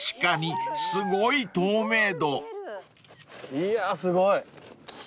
いやーすごい。